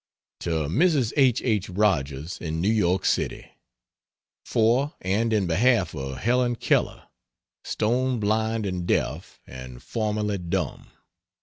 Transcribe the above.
To Mrs. H. H. Rogers, in New York City: For and in behalf of Helen Keller, stone blind and deaf, and formerly dumb.